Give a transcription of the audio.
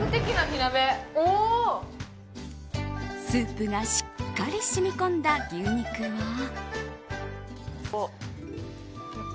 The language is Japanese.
スープがしっかり染み込んだ牛肉は。